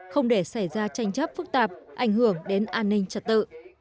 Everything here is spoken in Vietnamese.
không để xảy ra tranh chấp phức tạp ảnh hưởng đến an ninh trật tự